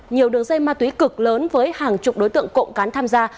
nhiều đường dây ma túy cực lớn với hàng chục đối tượng cộng cán tham gia